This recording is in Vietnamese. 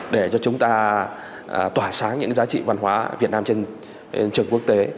để cho chúng ta tỏa sáng những giá trị văn hóa việt nam trên trường quốc tế